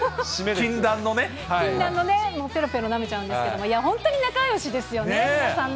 禁断のね、ぺろぺろなめちゃうんですけれども、いや、本当に仲よしですよね、皆さんね。